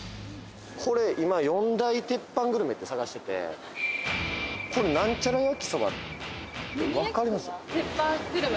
これ今４大鉄板グルメって探しててこれなんちゃら焼きそばってわかります？